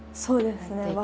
そうですね。